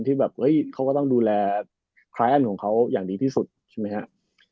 ที่เขาก็ต้องดูแลคลายอันของเขาอย่างดีที่สุดใช่มั้ยฮะ